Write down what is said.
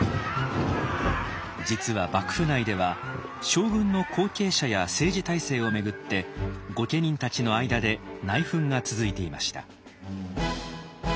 実は幕府内では将軍の後継者や政治体制を巡って御家人たちの間で内紛が続いていました。